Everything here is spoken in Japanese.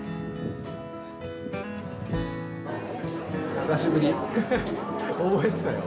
久しぶり覚えてたよ。